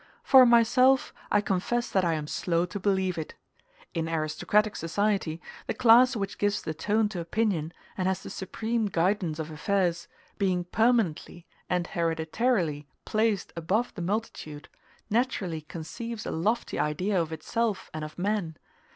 For myself, I confess that I am slow to believe it. In aristocratic society, the class which gives the tone to opinion, and has the supreme guidance of affairs, being permanently and hereditarily placed above the multitude, naturally conceives a lofty idea of itself and of man.